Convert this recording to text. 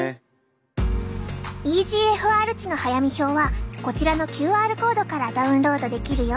ｅＧＦＲ値の早見表はこちらのＱＲコードからダウンロードできるよ。